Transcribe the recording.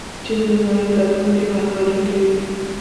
چین د نړۍ راتلونکی رهبري کوي.